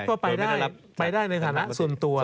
ก็ไปได้ในฐานะส่วนตัว